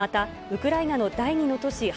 また、ウクライナの第２の都市